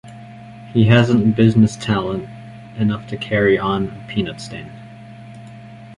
He hasn't business talent enough to carry on a peanut stand.